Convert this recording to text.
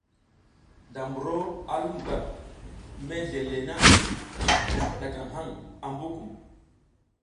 Da buro a lum gwat mesle le na, kum kiɗakaŋ haŋ ambu kum.